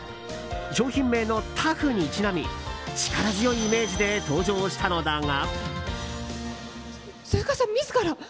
商品名のタフにちなみ力強いイメージで登場したのだが。